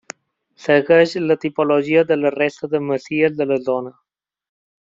Segueix la tipologia de la resta de masies de la zona.